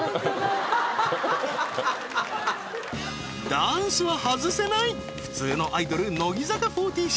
ダンスは外せない普通のアイドル乃木坂４６